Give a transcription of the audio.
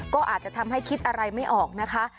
ก็อาจจะทำให้คิดอะไรไม่ออกนะคะ